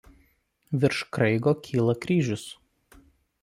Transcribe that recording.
Virš kraigo kyla kryžius.